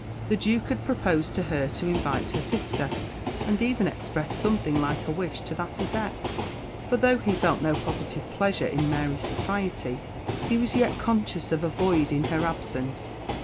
The Duke had proposed to her to invite her sister, and even expressed something like a wish to that effect; for though he felt no positive pleasure in Mary's society, he was yet conscious of a void in her absence.